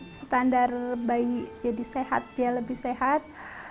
standar bayi jadi sehat dia lebih sehat